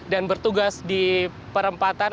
dan bertugas di perempatan